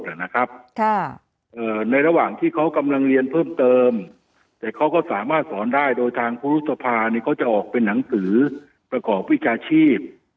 ในระหว่างที่เขากำลังเรียนเพิ่มเติมแต่เขาก็สามารถสอนได้โดยทางครูรุษภาเนี่ยเขาจะออกเป็นหนังสือประกอบวิชาชีพ